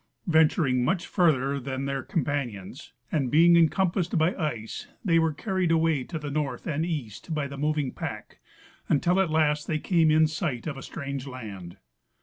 Venturing much farther than their companions and being encompassed by ice, they were carried away to the north and east by the moving pack until at last they came in sight of a strange land.